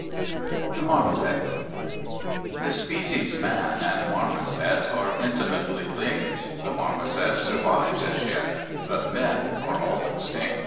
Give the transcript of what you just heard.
The Marmozet The species Man and Marmozet Are intimately linked; The Marmozet survives as yet, But Men are all extinct.